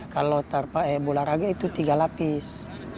kalau bola raga itu tiga lapis